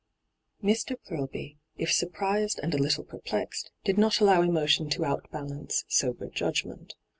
Mr. Purlby, if surprised and a little per plexed, did not allow emotion to outbalance sober judgment.